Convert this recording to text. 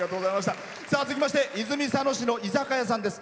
続きまして泉佐野市の居酒屋さんです。